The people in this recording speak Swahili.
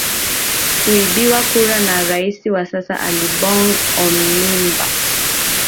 kuibiwa kura na rais wa sasa alibong onimba